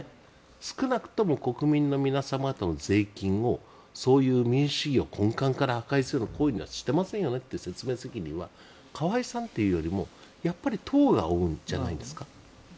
少なくとも国民の皆様方の税金をそういう民主主義を根幹から破壊する行為はしてませんよねという説明は河井さんというよりもやっぱり党が負うんじゃないんですか。